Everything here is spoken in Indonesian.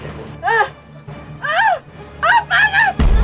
terima kasih nak